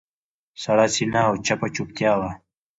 سړه سینه او چپه چوپتیا وه.